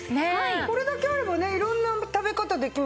これだけあればね色んな食べ方できますよね。